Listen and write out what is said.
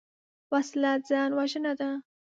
وسله ځان وژنه ده